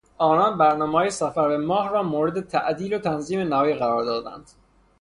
آنان برنامههای سفر به ماه را مورد تعدیل و تنظیم نهایی قرار دادند.